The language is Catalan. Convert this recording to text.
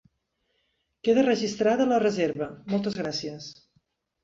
Queda registrada la reserva, moltes gràcies.